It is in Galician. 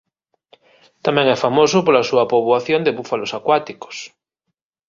Tamén é famoso pola súa poboación de búfalos acuáticos.